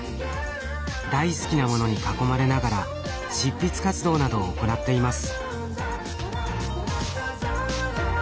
大好きなものに囲まれながら執筆活動などを行っています。